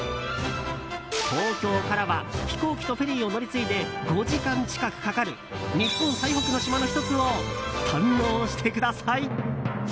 東京からは飛行機とフェリーを乗り継いで５時間近くかかる日本最北の島の１つを堪能してください。